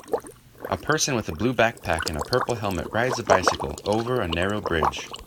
A person with a blue backpack and a purple helmet rides a bicycle over a narrow bridge.